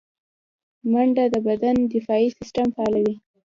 منډه د بدن دفاعي سیستم فعالوي